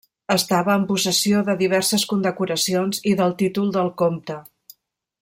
Estava en possessió de diverses condecoracions i del títol del comte.